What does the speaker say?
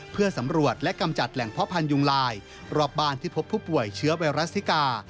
เพื่อสำรวจและกำจัดแหล่งเพาะพันธุยุงลายรอบบ้านที่พบผู้ป่วยเชื้อไวรัสซิกา